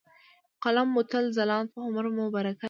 ، قلم مو تل ځلاند په عمر مو برکت .